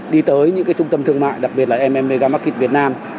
đi tới những trung tâm thương mại đặc biệt là mega market việt nam